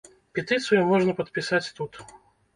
Петыцыю можна падпісаць тут.